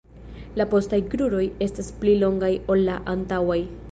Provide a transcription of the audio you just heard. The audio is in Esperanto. La postaj kruroj estas pli longaj ol la antaŭaj.